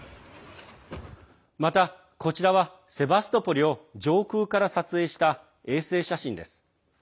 また、こちらはセバストポリを上空から撮影した衛星写真です。